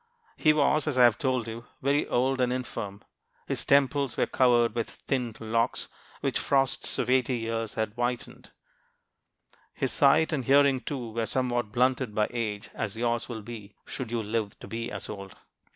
He was, as I have just told you, very old and infirm. His temples were covered with thinned locks which the frosts of eighty years had whitened. His sight, and hearing, too, were somewhat blunted by age, as yours will be should you live to be as old.